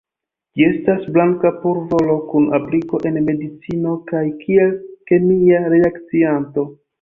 Ĝi estas blanka pulvoro kun apliko en medicino kaj kiel kemia reakcianto.